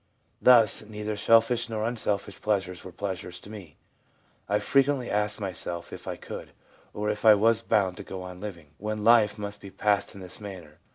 ... Thus neither selfish nor unselfish pleasures were pleasures to me. ... I frequently asked myself if I could, or if I was bound to go on living, when life must be passed in this manner.